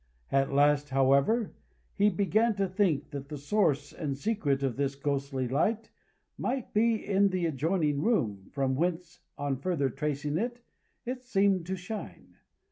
At last, however, he began to think that the source and secret of this ghostly light might be in the adjoining room, from whence, on further tracing it, it seemed to shine.